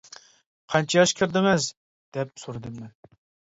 -قانچە ياشقا كىردىڭىز؟ -دەپ سورىدىم مەن.